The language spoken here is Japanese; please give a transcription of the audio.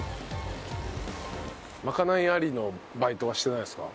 まかないありのバイトはしてないですか？